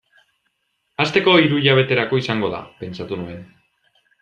Hasteko, hiru hilabeterako izango da, pentsatu nuen.